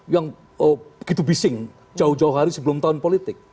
yang begitu bising jauh jauh hari sebelum tahun politik